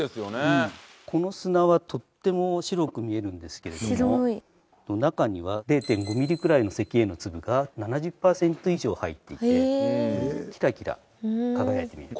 この砂はとっても白く見えるんですけれども中には０．５ミリくらいの石英の粒が７０パーセント以上入っていてキラキラ輝いて見える。